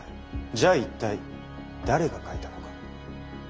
じゃあ一体誰が書いたのか。